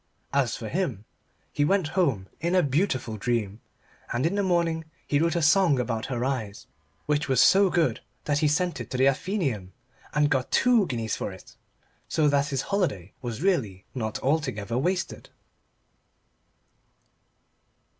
As for him, he went home in a beautiful dream, and in the morning he wrote a song about her eyes which was so good that he sent it to the Athenæum, and got two guineas for it so that his holiday was really not altogether wasted.